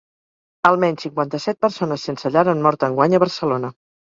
Almenys cinquanta-set persones sense llar han mort enguany a Barcelona.